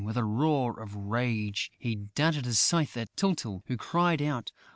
With a roar of rage, he darted his scythe at Tyltyl, who cried out.